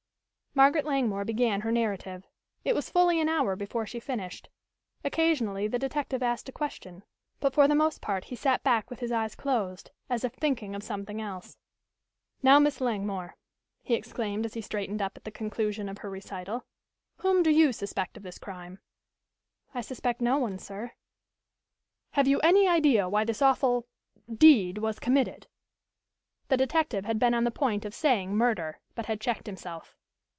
Margaret Langmore began her narrative. It was fully an hour before she finished. Occasionally the detective asked a question, but for the most part he sat back with his eyes closed, as if thinking of something else. "Now, Miss Langmore," he exclaimed, as he straightened up at the conclusion of her recital, "whom do you suspect of this crime?" "I suspect no one, sir." "Have you any idea why this awful deed was committed?" The detective had been on the point of saying "murder" but had checked himself.